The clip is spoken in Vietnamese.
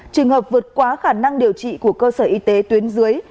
trường hợp vượt quá khả năng điều trị của cơ sở y tế tuyến dưới